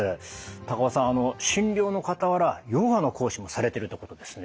高尾さん診療の傍らヨガの講師もされてるってことですね。